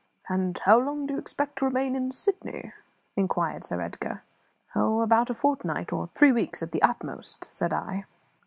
"And how long do you expect to remain in Sydney?" inquired Sir Edgar. "Oh, about a fortnight, or three weeks at the utmost," said I.